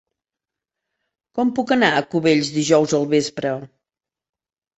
Com puc anar a Cubells dijous al vespre?